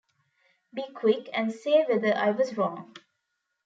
Be quick, and say whether I was wrong!